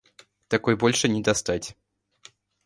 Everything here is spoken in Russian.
Такой больше не достать.